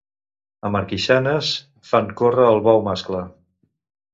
A Marquixanes fan córrer el bou mascle.